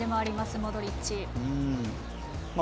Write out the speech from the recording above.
モドリッチ。